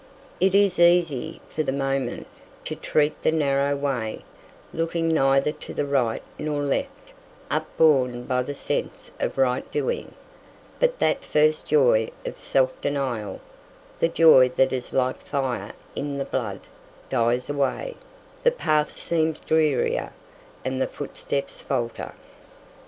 It is easy, for the moment, to tread the narrow way, looking neither to the right nor left, upborne by the sense of right doing; but that first joy of self denial, the joy that is like fire in the blood, dies away; the path seems drearier and the footsteps falter.